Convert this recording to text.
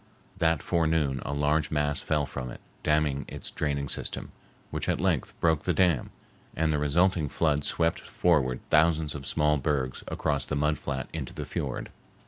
That forenoon a large mass fell from it, damming its draining stream, which at length broke the dam, and the resulting flood swept forward thousands of small bergs across the mud flat into the fiord.